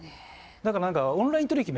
だから何かオンライン取り引き